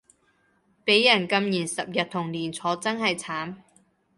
畀人禁言十日同連坐真係慘